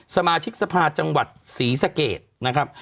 สมาชิกสภาจังหวัดศรีสะเกดนะครับ